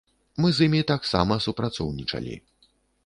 Мы з імі таксама супрацоўнічалі.